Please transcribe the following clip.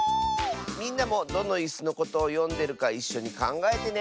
みんなもどのいすのことをよんでるかいっしょにかんがえてね！